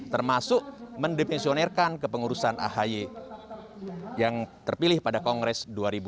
termasuk mendefinisionerkan kepengurusan ahy yang terpilih pada kongres dua ribu dua puluh